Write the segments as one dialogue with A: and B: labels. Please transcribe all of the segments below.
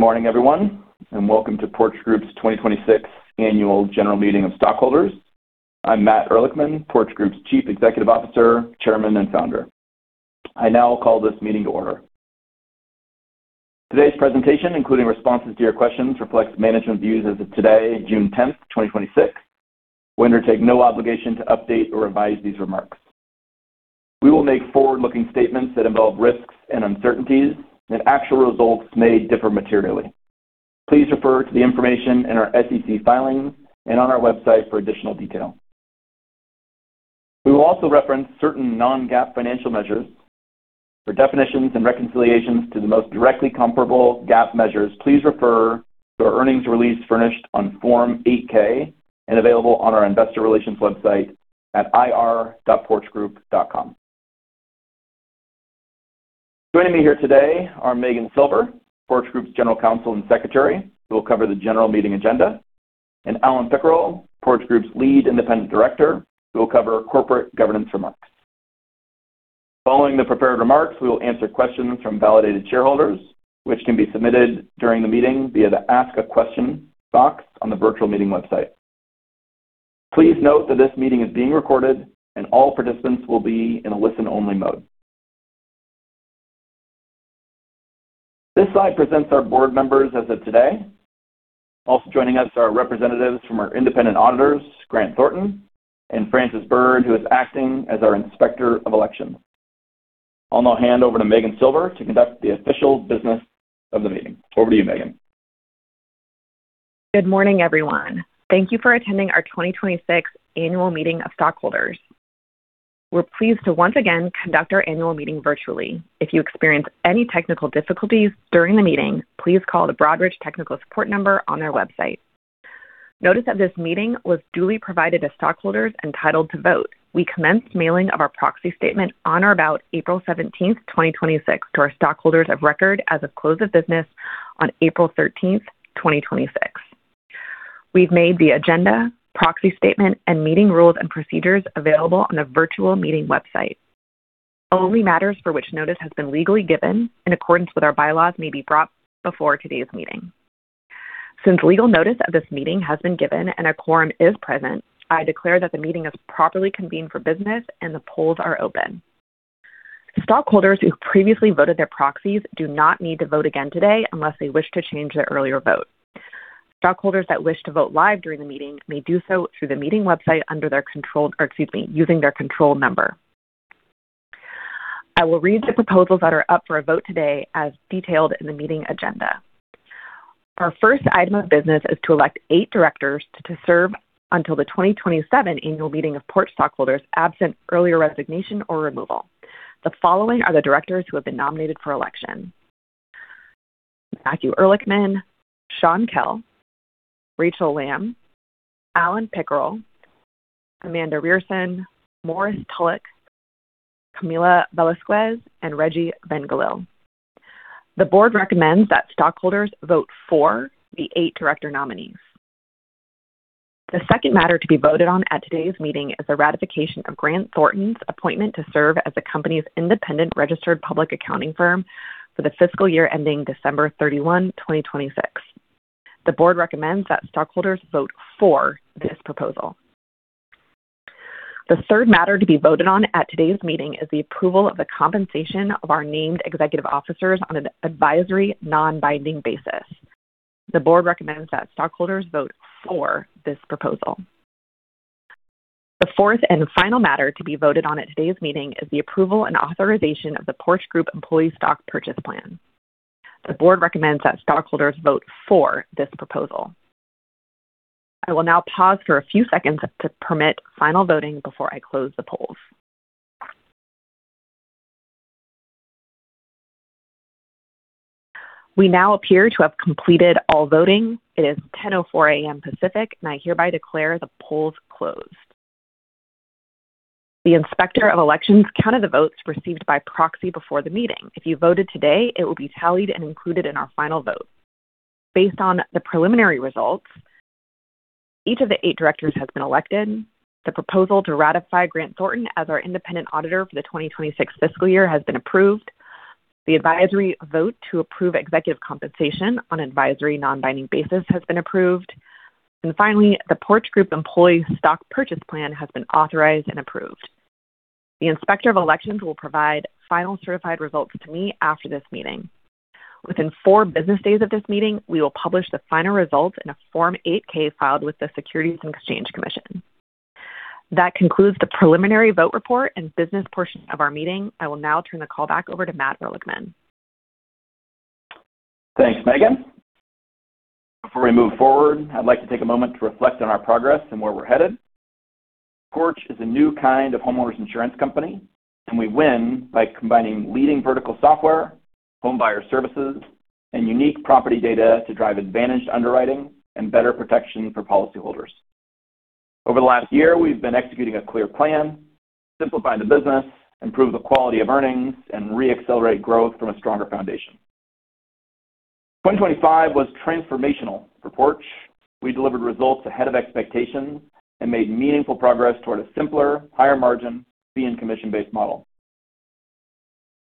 A: Good morning, everyone, welcome to Porch Group's 2026 Annual General Meeting of Stockholders. I'm Matt Ehrlichman, Porch Group's Chief Executive Officer, Chairman, and Founder. I now call this meeting to order. Today's presentation, including responses to your questions, reflects management views as of today, June 10th, 2026. We undertake no obligation to update or revise these remarks. We will make forward-looking statements that involve risks and uncertainties. Actual results may differ materially. Please refer to the information in our SEC filings and on our website for additional detail. We will also reference certain non-GAAP financial measures. For definitions and reconciliations to the most directly comparable GAAP measures, please refer to our earnings release furnished on Form 8-K and available on our investor relations website at ir.porchgroup.com. Joining me here today are Meghan Silver, Porch Group's General Counsel and Secretary, who will cover the general meeting agenda. Alan Pickerill, Porch Group's Lead Independent Director, will cover corporate governance remarks. Following the prepared remarks, we will answer questions from validated shareholders, which can be submitted during the meeting via the Ask a Question box on the virtual meeting website. Please note that this meeting is being recorded. All participants will be in a listen-only mode. This slide presents our board members as of today. Also joining us are representatives from our independent auditors, Grant Thornton. Francis Byrd, who is acting as our Inspector of Elections. I'll now hand over to Meghan Silver to conduct the official business of the meeting. Over to you, Meghan.
B: Good morning, everyone. Thank you for attending our 2026 Annual Meeting of Stockholders. We're pleased to once again conduct our annual meeting virtually. If you experience any technical difficulties during the meeting, please call the Broadridge technical support number on their website. Notice that this meeting was duly provided to stockholders entitled to vote. We commenced mailing of our proxy statement on or about April 17th, 2026, to our stockholders of record as of close of business on April 13th, 2026. We've made the agenda, proxy statement, and meeting rules and procedures available on the virtual meeting website. Only matters for which notice has been legally given in accordance with our bylaws may be brought before today's meeting. Since legal notice of this meeting has been given, a quorum is present, I declare that the meeting is properly convened for business and the polls are open. Stockholders who previously voted their proxies do not need to vote again today unless they wish to change their earlier vote. Stockholders that wish to vote live during the meeting may do so through the meeting website using their control number. I will read the proposals that are up for a vote today as detailed in the meeting agenda. Our first item of business is to elect eight directors to serve until the 2027 annual meeting of Porch stockholders, absent earlier resignation or removal. The following are the directors who have been nominated for election: Matthew Ehrlichman, Sean Kell, Rachel Lam, Alan Pickerill, Amanda Reierson, Maurice Tulloch, Camilla Velasquez, and Regi Vengalil. The board recommends that stockholders vote for the eight director nominees. The second matter to be voted on at today's meeting is the ratification of Grant Thornton's appointment to serve as the company's independent registered public accounting firm for the fiscal year ending December 31, 2026. The board recommends that stockholders vote for this proposal. The third matter to be voted on at today's meeting is the approval of the compensation of our named executive officers on an advisory, non-binding basis. The board recommends that stockholders vote for this proposal. The fourth and final matter to be voted on at today's meeting is the approval and authorization of the Porch Group employee stock purchase plan. The board recommends that stockholders vote for this proposal. I will now pause for a few seconds to permit final voting before I close the polls. We now appear to have completed all voting. It is 10:04 A.M. Pacific, and I hereby declare the polls closed. The Inspector of Elections counted the votes received by proxy before the meeting. If you voted today, it will be tallied and included in our final vote. Based on the preliminary results, each of the eight directors has been elected. The proposal to ratify Grant Thornton as our independent auditor for the 2026 fiscal year has been approved. The advisory vote to approve executive compensation on an advisory, non-binding basis has been approved. Finally, the Porch Group employee stock purchase plan has been authorized and approved. The Inspector of Elections will provide final certified results to me after this meeting. Within four business days of this meeting, we will publish the final results in a Form 8-K filed with the Securities and Exchange Commission. That concludes the preliminary vote report and business portion of our meeting. I will now turn the call back over to Matt Ehrlichman.
A: Thanks, Meghan. Before we move forward, I'd like to take a moment to reflect on our progress and where we're headed. Porch is a new kind of homeowners insurance company, and we win by combining leading vertical software, home buyer services, and unique property data to drive advantaged underwriting and better protection for policyholders. Over the last year, we've been executing a clear plan, simplifying the business, improve the quality of earnings, and re-accelerate growth from a stronger foundation. 2025 was transformational for Porch. We delivered results ahead of expectations and made meaningful progress toward a simpler, higher margin fee and commission-based model.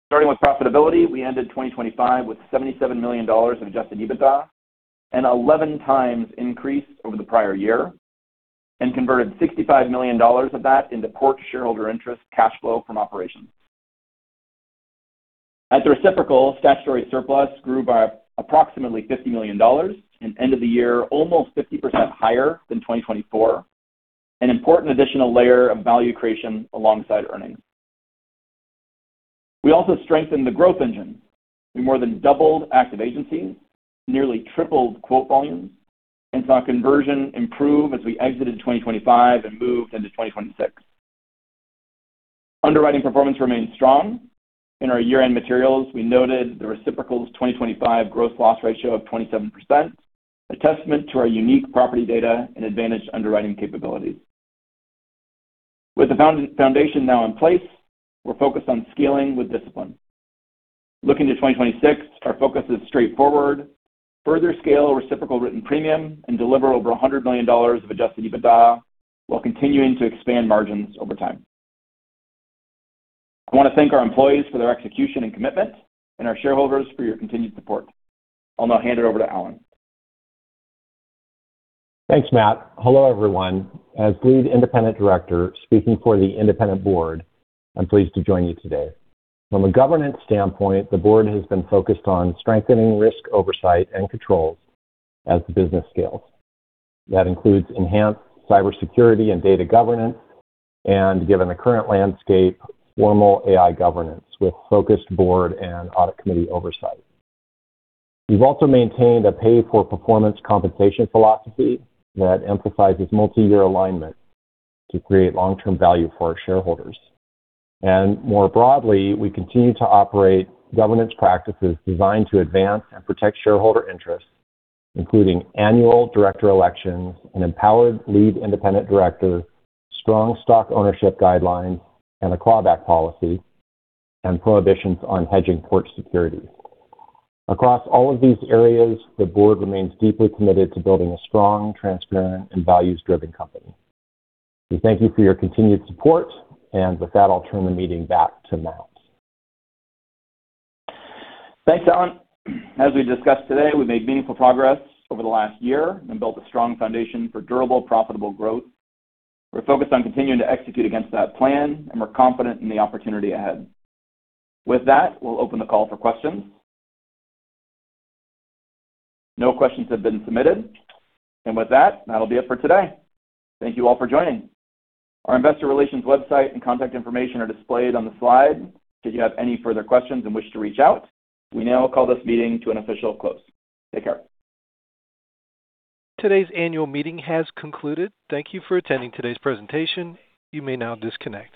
A: Starting with profitability, we ended 2025 with $77 million of adjusted EBITDA, an 11x increase over the prior year, and converted $65 million of that into Porch shareholder interest cash flow from operations. At the reciprocal, statutory surplus grew by approximately $50 million and end of the year, almost 50% higher than 2024, an important additional layer of value creation alongside earnings. We also strengthened the growth engine. We more than doubled active agencies, nearly tripled quote volumes, and saw conversion improve as we exited 2025 and moved into 2026. Underwriting performance remained strong. In our year-end materials, we noted the reciprocal's 2025 gross loss ratio of 27%, a testament to our unique property data and advantage underwriting capabilities. With the foundation now in place, we're focused on scaling with discipline. Looking to 2026, our focus is straightforward, further scale reciprocal written premium, and deliver over $100 million of adjusted EBITDA while continuing to expand margins over time. I want to thank our employees for their execution and commitment and our shareholders for your continued support. I'll now hand it over to Alan.
C: Thanks, Matt. Hello, everyone. As Lead Independent Director speaking for the independent board, I'm pleased to join you today. From a governance standpoint, the board has been focused on strengthening risk oversight and controls as the business scales. That includes enhanced cybersecurity and data governance, and given the current landscape, formal AI governance with focused board and audit committee oversight. We've also maintained a pay-for-performance compensation philosophy that emphasizes multi-year alignment to create long-term value for our shareholders. More broadly, we continue to operate governance practices designed to advance and protect shareholder interests, including annual director elections, an empowered Lead Independent Director, strong stock ownership guidelines, and a clawback policy and prohibitions on hedging Porch securities. Across all of these areas, the board remains deeply committed to building a strong, transparent, and values-driven company. We thank you for your continued support, and with that, I'll turn the meeting back to Matt.
A: Thanks, Alan. As we discussed today, we made meaningful progress over the last year and built a strong foundation for durable, profitable growth. We're focused on continuing to execute against that plan, and we're confident in the opportunity ahead. With that, we'll open the call for questions. No questions have been submitted. With that'll be it for today. Thank you all for joining. Our investor relations website and contact information are displayed on the slide should you have any further questions and wish to reach out. We now call this meeting to an official close. Take care.
D: Today's annual meeting has concluded. Thank you for attending today's presentation. You may now disconnect.